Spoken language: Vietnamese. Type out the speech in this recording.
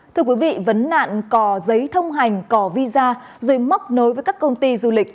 thưa quý vị vấn nạn cò giấy thông hành cò visa rồi móc nối với các công ty du lịch